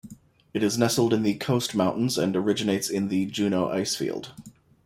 It is nestled in the Coast Mountains and originates in the Juneau Icefield.